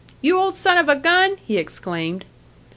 "You old son of a gun!" he exclaimed.